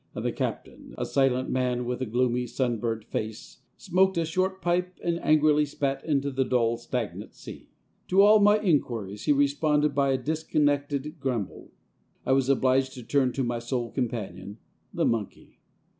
And the captain, a silent man with a gloomy, sunburnt face, smoked a short pipe and angrily spat into the dull, stagnant sea. To all my inquiries he responded by a dis connected grumble. I was obliged to turn to my sole companion, the monkey.